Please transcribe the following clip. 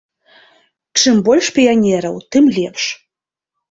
Чым больш піянераў, тым лепш.